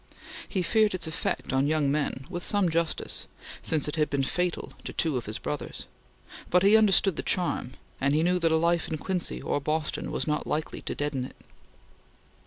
He feared its effect on young men, with some justice, since it had been fatal to two of his brothers; but he understood the charm, and he knew that a life in Quincy or Boston was not likely to deaden it.